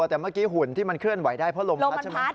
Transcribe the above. แต่เมื่อกี้หุ่นที่มันเคลื่อนไหวได้เพราะลมพัดใช่ไหม